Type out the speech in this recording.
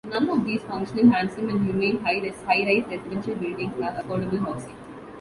None of these "functional, handsome, and humane high-rise residential buildings" are affordable housing.